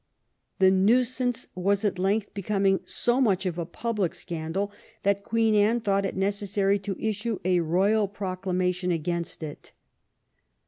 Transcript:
The nuisance was at length becoming so much a public scandal that Queen Anne thought it necessary to issue a royal proclamation against it.